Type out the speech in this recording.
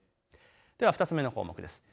では２つ目の項目です。